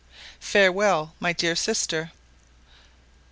Farewell, my dear sister.